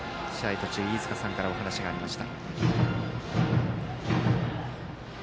途中、飯塚さんからお話がありました。